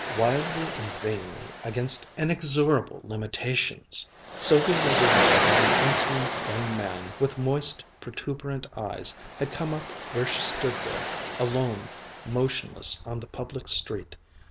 Wildly and vainly, against inexorable limitations! Sylvia was aware that an insolent young man, with moist protuberant eyes, had come up where she stood there, alone, motionless on the public street.